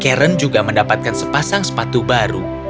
karen juga mendapatkan sepasang sepatu baru